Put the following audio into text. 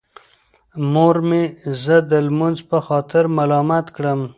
مور مې زه د لمونځ په خاطر ملامت کړم.